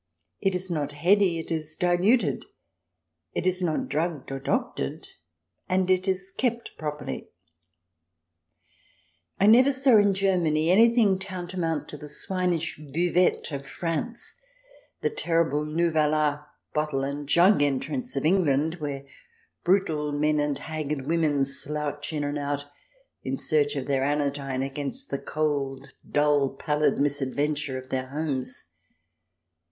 It is not heady, it is diluted ; it is not drugged or doctored, and it is kept properly. I never saw in Germany anything tantamount to the swinish buvette of France, the terrible nouvel art Bottle and Jug Entrance of England, where brutal men and haggard women slouch in and out in search of their anodyne against the cold, dull, pallid misadventure of their homes.